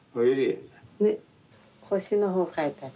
腰の方描いたら。